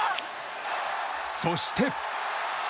そして。